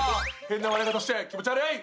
変な笑い方して気持ち悪い！